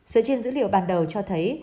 sự truyền dữ liệu ban đầu cho thấy